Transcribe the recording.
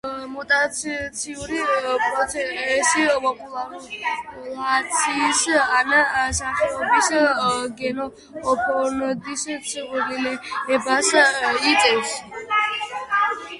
მუტაციური პროცესი პოპულაციის ან სახეობის გენოფონდის ცვლილებას იწვევს.